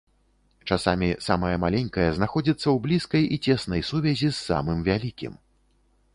Часамі самае маленькае знаходзіцца ў блізкай і цеснай сувязі з самым вялікім.